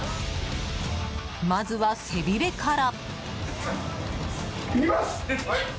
まずは、背びれから。